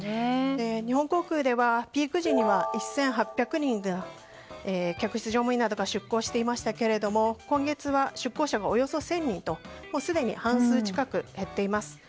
日本航空ではピーク時には１８００人の客室乗務員などが出向していましたけれども今月は出向者がおよそ１０００人とすでに半数以上減っています。